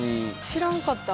知らんかった。